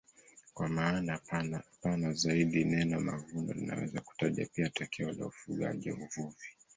Kwa maana pana zaidi neno mavuno linaweza kutaja pia tokeo la ufugaji au uvuvi.